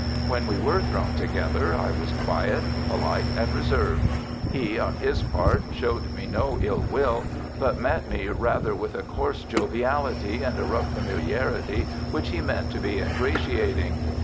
When we were thrown together I was quiet, polite, and reserved. He, on his part, showed me no ill will, but met me rather with a coarse joviality, and a rough familiarity which he meant to be ingratiating.